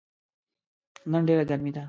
نن ډیره ګرمې ده